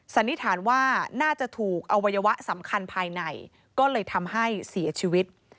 สันนิษฐานว่าน่าจะถูกอวัยวะสำคัญภายในก็เลยทำให้เสียชีวิต